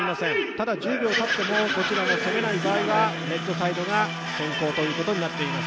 ただ１０秒たってもどちらも攻めない場合はレッドサイドが先攻ということになっています。